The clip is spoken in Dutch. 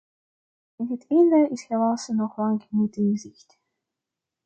En het einde is helaas nog lang niet in zicht.